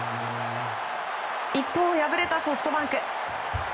一方敗れたソフトバンク。